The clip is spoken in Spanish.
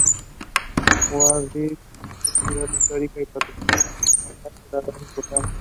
Guadix es ciudad histórica y patrimonial de gran importancia.